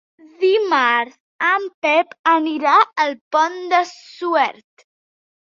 Dimarts en Pep anirà al Pont de Suert.